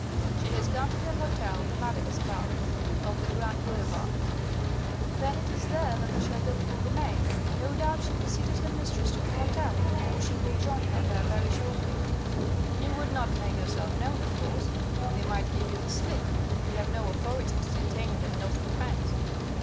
She has gone to her hotel the Madagascar, off the Grands Boulevards." "Then it is there that I shall look for the maid. No doubt she preceded her mistress to the hotel, or she will join her there very shortly." "You would not make yourself known, of course? They might give you the slip. You have no authority to detain them, not in France."